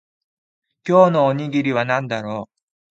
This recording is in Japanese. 今日のおにぎりは何だろう